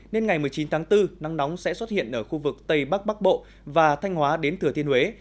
nên ngày một mươi chín tháng bốn nắng nóng sẽ xuất hiện ở khu vực tây bắc bắc bộ và thanh hóa đến thừa thiên huế